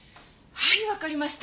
はいわかりました。